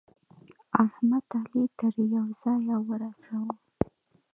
احمد؛ علي تر يوه ځايه ورساوو.